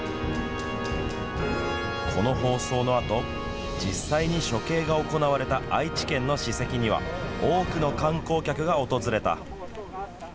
この放送のあと実際に処刑が行われた愛知県の史跡には多くの観光客が訪れた。